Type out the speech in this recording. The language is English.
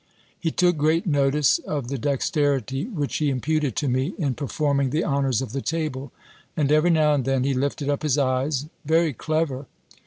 He took great notice of the dexterity which he imputed to me, in performing the honours of the table. And every now and then, he lifted up his eyes "Very clever.